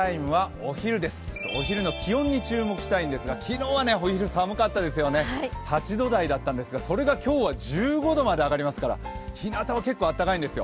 お昼の気温に注目したいんですが、昨日はお昼寒かったですよね、８度台だったんですがそれが今日は１５度まで上がりますから、ひなたは結構暖かいんですよ。